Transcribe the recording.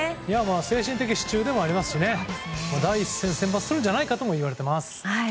精神的支柱でもありますし第一線、先発するんじゃないかともいわれています。